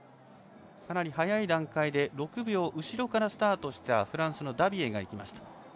かなり早い段階で６秒後ろからスタートしたフランスのダビエが行きました。